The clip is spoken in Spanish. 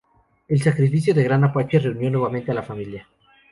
El sacrificio de Gran Apache reunió nuevamente a la familia.